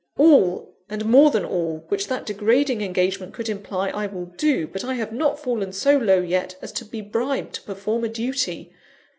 "All, and more than all, which that degrading engagement could imply, I will do. But I have not fallen so low yet, as to be bribed to perform a duty.